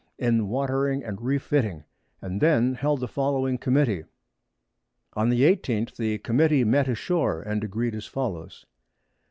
in watering and re fiting, and then held the following Committee. On the 18th the Committee met a shoar, and agreed as follows.